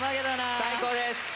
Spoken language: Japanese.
最高です。